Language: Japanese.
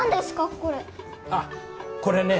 これあっこれね